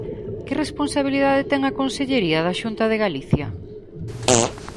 ¿Que responsabilidade ten a Consellería da Xunta de Galicia?